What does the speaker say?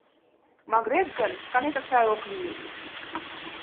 Магырет гын, шканетак сай ок лийыс.